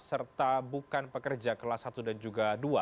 serta bukan pekerja kelas satu dan juga dua